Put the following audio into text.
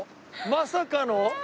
まさかの？